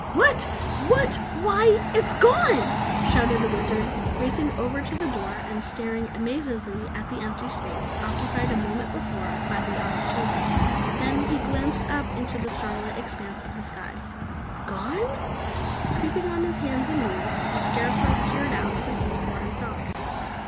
"WHAT? WHAT!!! Why, it's gone!" shouted the Wizard, racing over to the door and staring amazedly at the empty space occupied a moment before by the Oztober. Then he glanced up into the starlit expanse of sky. "Gone?" Creeping on hands and knees, the Scarecrow peered out to see for himself.